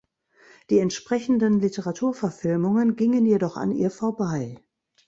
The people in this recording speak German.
Die entsprechenden Literaturverfilmungen gingen jedoch an ihr vorbei.